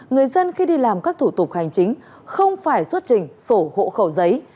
người dân khi đi làm các thủ tục hành chính không phải xuất trình sổ hộ khẩu giấy